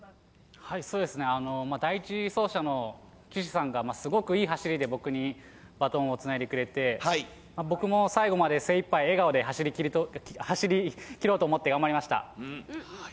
第１走者の岸さんが、すごくいい走りで、僕にバトンをつないでくれて、僕も最後まで精いっぱい笑顔で走りきろうと思って頑張りました。